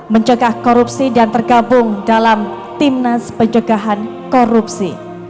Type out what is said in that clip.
mencegah korupsi dan tergabung dalam timnas pencegahan korupsi